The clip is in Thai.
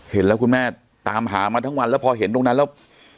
เห็นแล้วคุณแม่ตามหามาทั้งวันแล้วพอเห็นตรงนั้นแล้ว